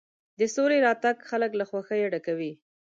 د سولې راتګ خلک له خوښۍ ډکوي.